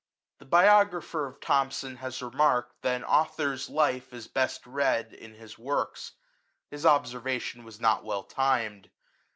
The biographer of Thomson has remarked, that an author s life is best read in his works: his observation was not well timed.